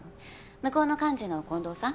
向こうの幹事の近藤さん？